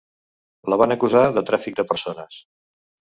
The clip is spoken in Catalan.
La van acusar de tràfic de persones.